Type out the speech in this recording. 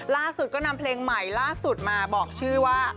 ล่าสุดก็นำเพลงใหม่ล่าสุดมาบอกชื่อว่า